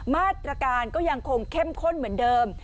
มาตรการก็ยังคงเข้มข้นเหมือนเดิม